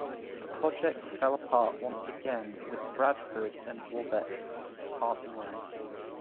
The project fell apart once again with Bradford and Worbeck parting ways.